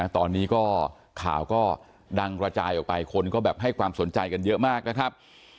ตอนนี้ก็ข่าวก็ดังกระจายออกไปคนก็แบบให้ความสนใจกันเยอะมากนะครับ